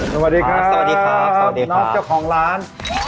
สวัสดีครับน๊อคเจ้าของร้าน